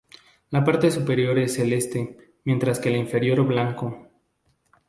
La parte superior es celeste, mientras que la inferior blanco.